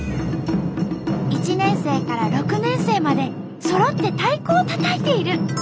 １年生から６年生までそろって太鼓をたたいている。